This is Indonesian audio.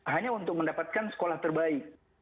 hanya untuk mendapatkan sekolah terbaik